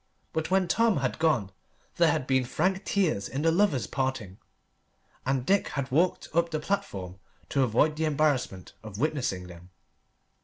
But when Tom had gone there had been frank tears in the lovers' parting, and Dick had walked up the platform to avoid the embarrassment of witnessing them.